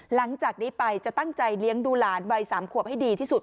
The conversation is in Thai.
หลังจากนี้ไปจะตั้งใจเลี้ยงดูหลานวัย๓ขวบให้ดีที่สุด